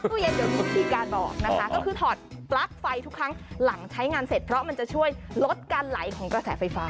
ตู้เย็นอย่างที่การบอกนะคะก็คือถอดปลั๊กไฟทุกครั้งหลังใช้งานเสร็จเพราะมันจะช่วยลดการไหลของกระแสไฟฟ้า